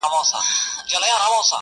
هم دي د سرو سونډو په سر كي جـادو ـ